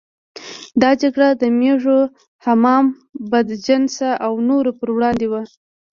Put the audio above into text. دا جګړه د مېږو، حمام بدجنسه او نورو پر وړاندې وه.